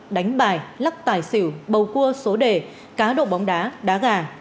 đánh bài lắc tài xỉu bầu cua số đề cá độ bóng đá đá gà